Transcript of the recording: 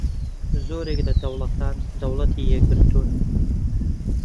زۆرێک لە دەوڵەتان دەوڵەتی یەکگرتوون